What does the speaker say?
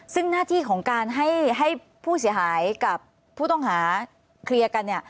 ซึ่งหน้าที่ของการให้ผู้เสียหายกับผู้ต้องหาเคลียร์กันเนี่ย